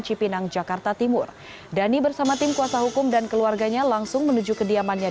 cipinang jakarta timur dhani bersama tim kuasa hukum dan keluarganya langsung menuju kediamannya